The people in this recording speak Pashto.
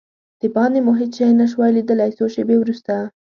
دباندې مو هېڅ شی نه شوای لیدلای، څو شېبې وروسته.